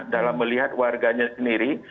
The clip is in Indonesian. dalam melihat warganya sendiri